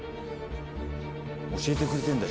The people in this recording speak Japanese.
教えてくれてるんだ。